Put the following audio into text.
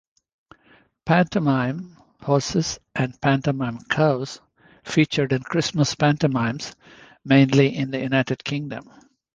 Pantomime horses and pantomime cows feature in Christmas pantomimes, mainly in the United Kingdom.